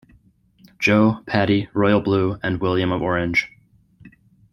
Joe, Paddy, Royal Blue, and William of Orange.